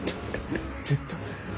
ずっと。